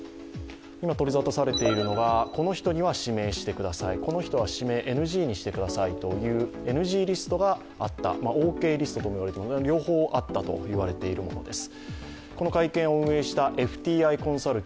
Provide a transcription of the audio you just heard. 今取りざたされているのがこの人は指名してください、この人は指名をＮＧしてくださいとＮＧリストがあった、オーケーリストと両方あったといわれているものです。